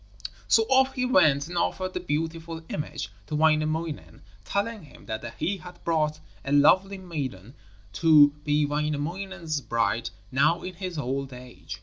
So off he went and offered the beautiful image to Wainamoinen, telling him that he had brought a lovely maiden to be Wainamoinen's bride now in his old age.